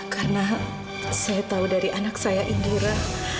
karena saya tahu dari anak saya indora